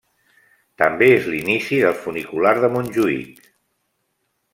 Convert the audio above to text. També és l'inici del funicular de Montjuïc.